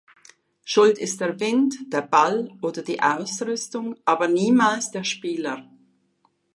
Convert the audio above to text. Schuld ist der Wind, der Ball oder die Ausrüstung, aber niemals der Spieler.